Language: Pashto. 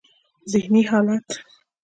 ذهني حالت: